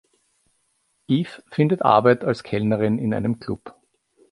Eve findet Arbeit als Kellnerin in einem Club.